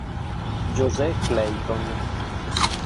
José Clayton